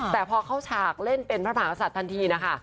แต่พอเข้าฉากเล่นเป็นพระมหากษัตริย์ทันทีนะคะ